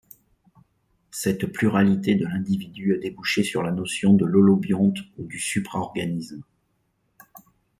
Cette pluralité de l'individu a débouché sur la notion de l'holobionte ou du supraorganisme.